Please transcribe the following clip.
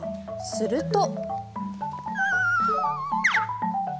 すると。